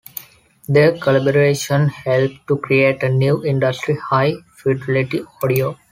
Their collaboration helped to create a new industry: high-fidelity audio.